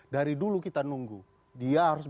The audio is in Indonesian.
dari dulu kita nunggu dia harus